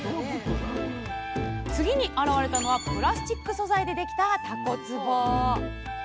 次に現れたのはプラスチック素材でできたたこつぼ。